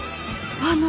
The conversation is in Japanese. あの？